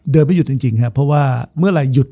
ไม่หยุดจริงครับเพราะว่าเมื่อไหร่หยุด